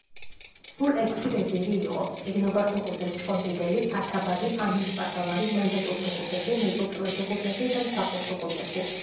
სულ ექვსი ვეზირი იყო: მწიგნობართუხუცეს-ჭყონდიდელი, ათაბაგი, ამირსპასალარი, მანდატურთუხუცესი, მეჭურჭლეთუხუცესი და მსახურთუხუცესი.